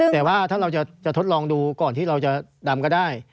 แต่ว่าถ้าเราจะทดลองดูก่อนที่เราจะดำก็ได้